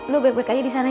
lo baik baik aja disana